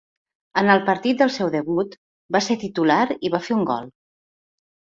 En el partit del seu debut va ser titular i va fer un gol.